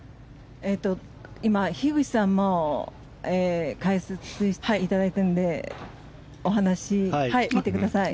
今、樋口さんも解説していただいているのでお話、聞いてください。